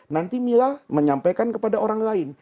nanti mila menyampaikan kepada orang lain